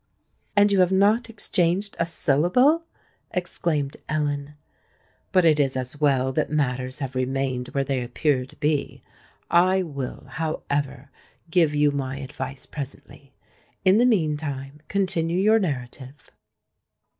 "And you have not exchanged a syllable!" exclaimed Ellen. "But it is as well that matters have remained where they appear to be. I will, however, give you my advice presently. In the meantime, continue your narrative."